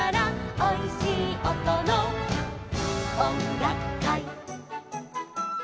「おいしいおとのおんがくかい」